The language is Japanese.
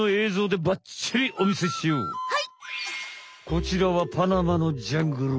こちらはパナマのジャングル。